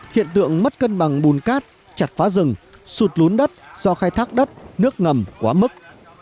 hiện tượng mất cân bằng bùn cát chặt phá rừng sụt lún đất do khai thác đất nước ngầm quá mức